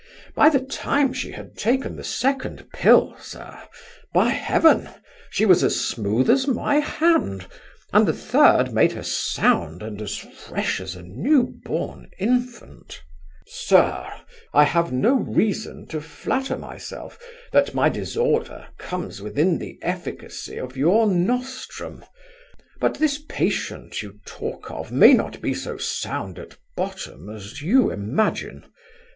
By the time she had taken the second pill, sir, by Heaven! she was as smooth as my hand, and the third made her sound and as fresh as a new born infant.' 'Sir (cried my uncle peevishly) I have no reason to flatter myself that my disorder comes within the efficacy of your nostrum. But this patient you talk of may not be so sound at bottom as you imagine.